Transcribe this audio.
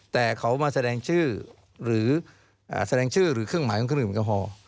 แต่เขามาแสดงชื่อหรือแสดงชื่อหรือเครื่องหมายของเครื่องดื่มแอลกอฮอล์